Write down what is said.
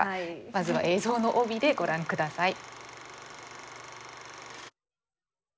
まずは映像の帯でご覧下さい。